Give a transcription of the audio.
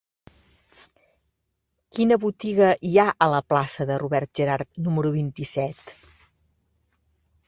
Quina botiga hi ha a la plaça de Robert Gerhard número vint-i-set?